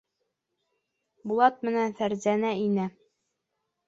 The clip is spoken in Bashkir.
Булат менән Фәрзәнә инә.